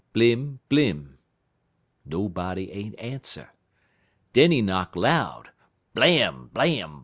blim! blim!_ Nobody ain't answer. Den he knock loud _blam! blam!